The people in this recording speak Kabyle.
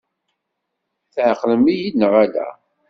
Tɛeqlem-iyi-d neɣ ala?